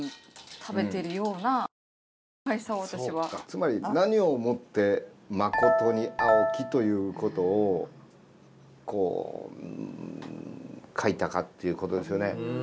つまり何をもって「まことに青き」ということを書いたかっていうことですよね。